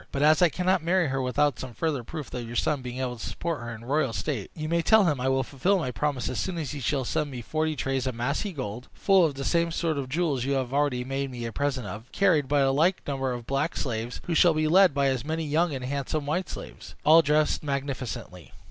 But as I cannot marry her without some further proof of your son being able to support her in royal state, you may tell him I will fulfil my promise as soon as he shall send me forty trays of massy gold, full of the same sort of jewels you have already made me a present of, and carried by the like number of black slaves, who shall be led by as many young and handsome white slaves, all dressed magnificently.